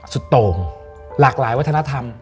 โต่งหลากหลายวัฒนธรรม